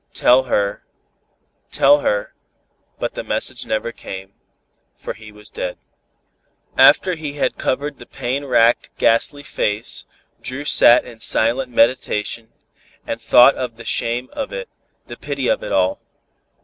Tell her tell her," but the message never came for he was dead. After he had covered the pain racked, ghastly face, Dru sat in silent meditation, and thought of the shame of it, the pity of it all.